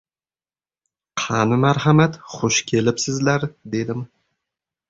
— Qani, marhamat, xush kelibsizlar! — dedim.